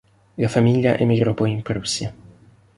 La famiglia emigrò poi in Prussia.